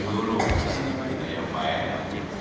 selalu sesinggihnya yang baik